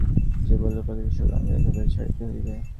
সে বলিল, প্রকৃতির সংসর্গ আমাদের একেবারে ছাড়িতে হইবে।